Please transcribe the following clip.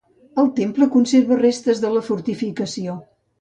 El temple conserva restes de la fortificació.